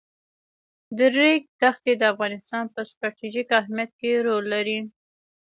د ریګ دښتې د افغانستان په ستراتیژیک اهمیت کې رول لري.